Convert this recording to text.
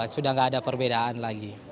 sudah tidak ada perbedaan lagi